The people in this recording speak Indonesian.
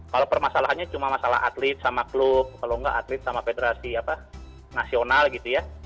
kalau permasalahannya cuma masalah atlet sama klub kalau nggak atlet sama federasi nasional gitu ya